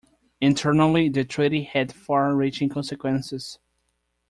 Internally, the treaty had far-reaching consequences.